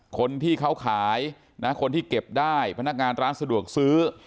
คนที่เขาขายนะคนที่เก็บได้พนักงานร้านสะดวกซื้อ